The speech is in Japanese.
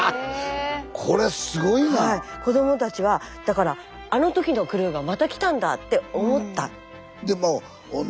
子どもたちはだからあの時のクルーがまた来たんだって思った。